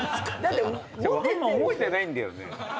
あんま覚えてないんだよね。